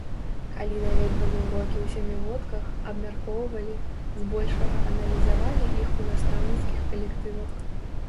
Калі наведвалі ўрокі ў сямігодках, абмяркоўвалі, збольшага аналізавалі іх у настаўніцкіх калектывах.